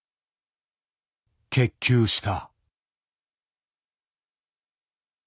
結球した。